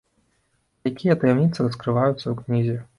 Якія таямніцы раскрываюцца ў кнізе?